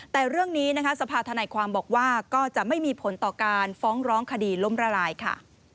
แต่เรื่องนี้นะคะสภาธนายความบอกว่าก็จะไม่มีผลต่อการฟ้องร้องคดีล้มละลายค่ะ